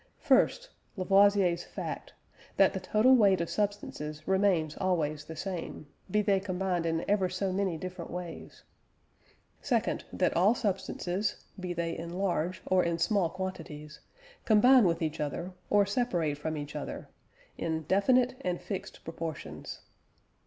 First (Lavoisier's fact), that the total weight of substances remains always the same, be they combined in ever so many different ways. Second, that all substances, be they in large or in small quantities, combine with each other, or separate from each other, in definite and fixed proportions.